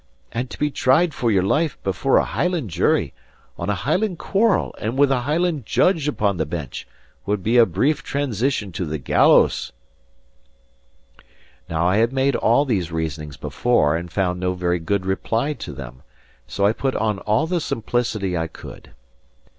And to be tried for your life before a Highland jury, on a Highland quarrel and with a Highland Judge upon the bench, would be a brief transition to the gallows." * The Duke of Argyle. Now I had made all these reasonings before and found no very good reply to them; so I put on all the simplicity I could.